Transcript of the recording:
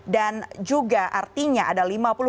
dan juga artinya ada lima puluh dua ratus lima puluh